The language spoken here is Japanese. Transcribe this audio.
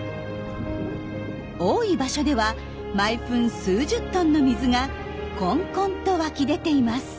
多い場所では毎分数十トンの水がこんこんと湧き出ています。